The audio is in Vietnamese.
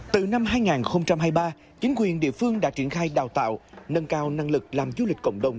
từ năm hai nghìn hai mươi ba chính quyền địa phương đã triển khai đào tạo nâng cao năng lực làm du lịch cộng đồng